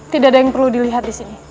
tidak ada yang perlu dilihat di sini